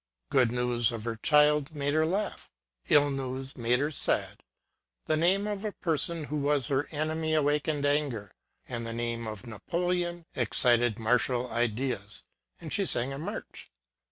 Good news of her child made her laugh ŌĆö ill news made her sad ; the name of a person who was her enemy awakened anger ; and the name of Napoleon excited martial ideas, and she sang a march.